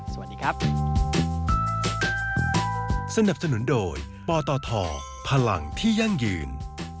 สวัสดีครับ